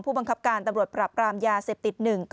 ผู้บังคับการประปราปรามยาเสพติธรัมน์พค